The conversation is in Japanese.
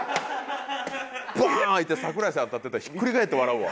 バーン開いて桜井さんが立ってたらひっくり返って笑うわ。